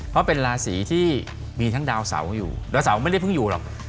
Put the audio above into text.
เพราะเป็นราศีที่มีทั้งดาวเสาอยู่ดาวเสาไม่ได้เพิ่งอยู่หรอก